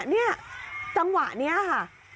เนี่ยจังหวะนี้ค่ะ